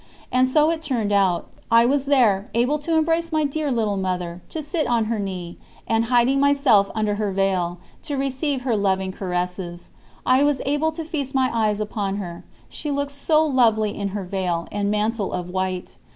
And so it turned out. I was there, able to embrace my dear little Mother, to sit on her knee, and, hiding myself under her veil, to receive her loving caresses. I was able to feast my eyes upon her she looked so lovely in her veil and mantle of white.